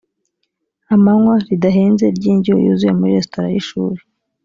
amanywa ridahenze ry indyo yuzuye muri resitora y ishuri